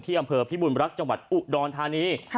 อำเภอพิบุญรักษ์จังหวัดอุดรธานี